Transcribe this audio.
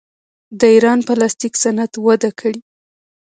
د ایران پلاستیک صنعت وده کړې.